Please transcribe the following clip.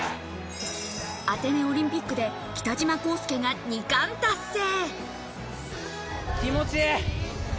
アテネオリンピックで北島康介が二冠達成。